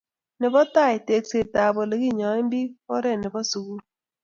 nebo tai, teksetab oleginyoen biik, oret nebo sugul